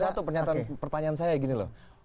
satu pertanyaan saya gini loh